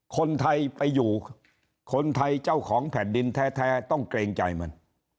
คนไทยไปอยู่คนไทยเจ้าของแผ่นดินแท้ต้องเกรงใจมัน